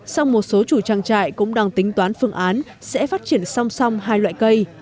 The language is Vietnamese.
song một số chủ trang trại cũng đang tính toán phương án sẽ phát triển song song hai loại cây